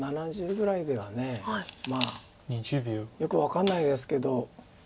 ７０ぐらいではまあよく分かんないですけど。